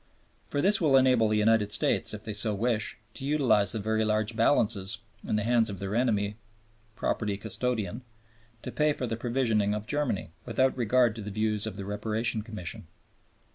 For this will enable the United States, if they so wish, to utilize the very large balances, in the hands of their enemy property custodian, to pay for the provisioning of Germany, without regard to the views of the Reparation Commission.